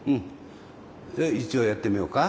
一応やってみようか。